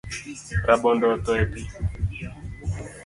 Rabondo otho e pi.